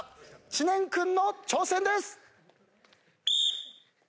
知念君の挑戦です。